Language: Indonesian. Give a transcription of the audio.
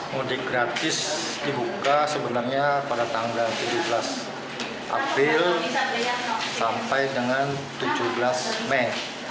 mudik gratis dibuka sebenarnya pada tanggal tujuh belas april sampai dengan tujuh belas mei